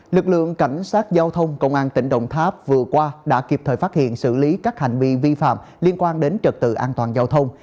lực lượng cảnh sát giao thông công an tỉnh đồng tháp vừa qua đã kịp thời phát hiện xử lý các hành vi vi phạm liên quan đến trật tự an toàn giao thông